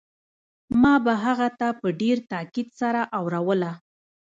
ما به هغه ته په ډېر تاکيد سره اوروله.